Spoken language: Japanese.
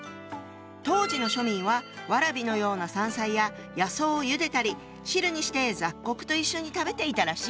当時の庶民はワラビのような山菜や野草をゆでたり汁にして雑穀と一緒に食べていたらしいの。